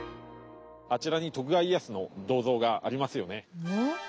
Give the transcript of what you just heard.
あちらに徳川家康の銅像がありますよね。